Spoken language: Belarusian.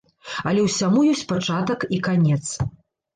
Але ўсяму ёсць пачатак і канец.